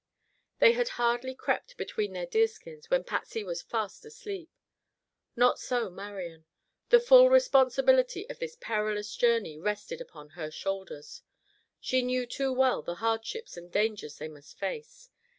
They had hardly crept between their deerskins when Patsy was fast asleep. Not so Marian. The full responsibility of this perilous journey rested upon her shoulders. She knew too well the hardships and dangers they must face.